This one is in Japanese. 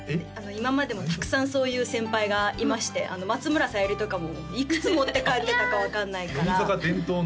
今までもたくさんそういう先輩がいまして松村沙友理とかもいくつ持って帰ってたか分かんないから乃木坂伝統の？